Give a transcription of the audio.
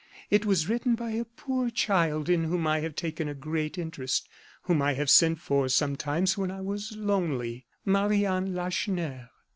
It was written by a poor child in whom I have taken a great interest whom I have sent for sometimes when I was lonely Marie Anne Lacheneur."